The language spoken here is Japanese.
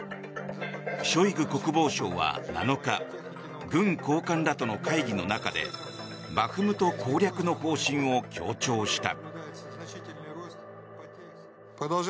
ショイグ国防相は７日軍高官らとの会議の中でバフムト攻略の方針を強調した。